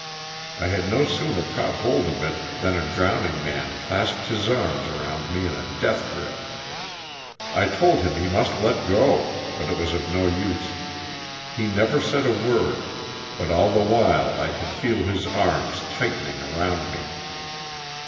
I had no sooner caught hold of it than a drowning man clasped his arms around me in a death grip. I told him he must let go, but it was of no use ; he never said a word, but all the while I could feel his arms tightening around me.